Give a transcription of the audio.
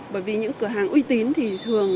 bởi vì những cửa hàng uy tín thì thường